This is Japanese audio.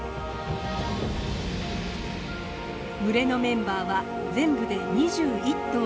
群れのメンバーは全部で２１頭。